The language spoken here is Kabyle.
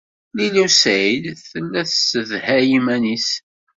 Lila u Saɛid tella tessedhay iman-nnes.